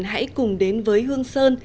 hãy cùng đến với hương sơn